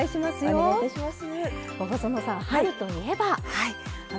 お願いします。